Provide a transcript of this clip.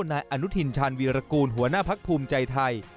นายอนุทินชาญวีรกูลหัวหน้าพักภูมิใจไทย